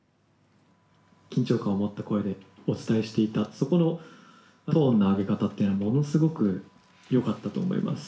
緊張感を持った声でお伝えしていた、そこのトーンの上げ方っていうのはものすごく、よかったと思います。